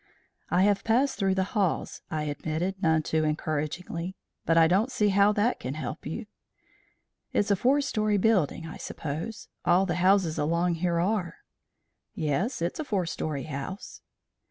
"I have passed through the halls," I admitted, none too encouragingly. "But I don't see how that can help you." "It's a four story building, I suppose. All the houses along here are." "Yes, it's a four story house."